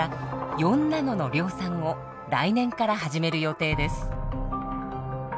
４ナノの量産を来年から始める予定です。